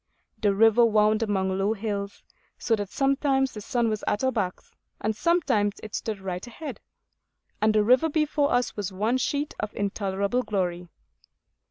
The river wound among low hills, so that sometimes the sun was at our backs, and sometimes it stood right ahead, and the river before us was one sheet of intolerable glory.